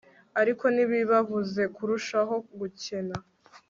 ariko ntibibabuze kurushaho gukena